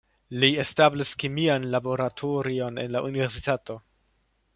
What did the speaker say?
Li establis kemian laboratorion en la universitato.